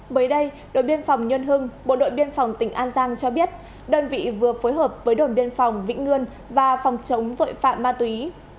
mới đây đội biên phòng nhân hưng bộ đội biên phòng tỉnh an giang cho biết đơn vị vừa phối hợp với đồn biên phòng vĩnh ngươn và phòng chống tội phạm ma túy